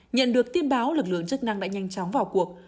nhận được tin báo lực lượng chức năng đã nhanh chóng vào cuộc